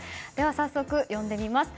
早速呼んでみます。